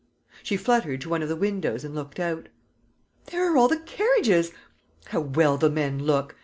She fluttered to one of the windows and looked out. "There are all the carriages. How well the men look!